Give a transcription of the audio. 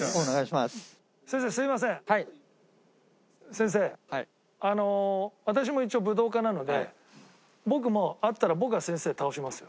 先生あの私も一応武道家なので僕も合ったら僕が先生倒しますよ。